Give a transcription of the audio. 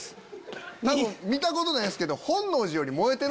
多分見たことないっすけど。